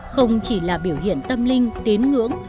không chỉ là biểu hiện tâm linh tín ngưỡng